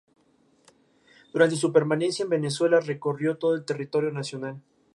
Durante su permanencia en Venezuela recorrió todo el territorio nacional.